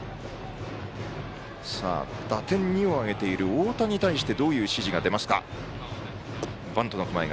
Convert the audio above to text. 打点２を挙げている太田に対してどういう指示が出ますか。